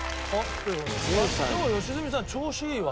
今日良純さん調子いいわ。